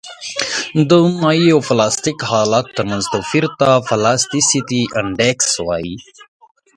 د مایع او پلاستیک حالت ترمنځ توپیر ته پلاستیسیتي انډیکس وایي